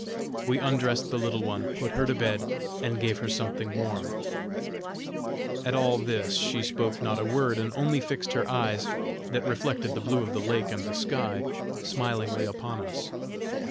We undressed the little one, put her to bed, and gave her something warm; at all this she spoke not a word, and only fixed her eyes, that reflected the blue of the lake and of the sky, smilingly upon us.